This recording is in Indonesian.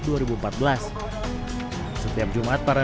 setiap jumat para relawan ini menerobos pintu perlintasan kereta api